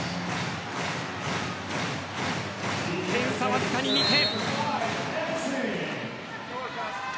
点差はわずかに２点。